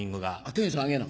テンション上げな？